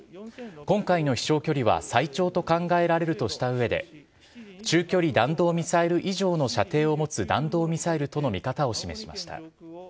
今回の飛しょう距離は最長と考えられるとしたうえで、中距離弾道ミサイル以上の射程を持つ弾道ミサイルとの見方を示しました。